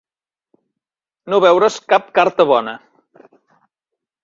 No veure's cap carta bona.